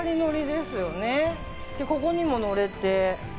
で、ここにも乗れて。